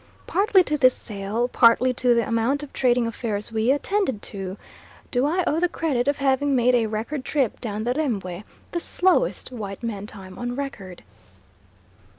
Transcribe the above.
Partly to this sail, partly to the amount of trading affairs we attended to, do I owe the credit of having made a record trip down the Rembwe, the slowest white man time on record.